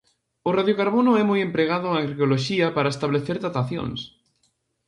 O radiocarbono é moi empregado en arqueoloxía para establecer datacións.